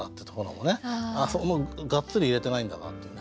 もうがっつり入れてないんだなっていうね。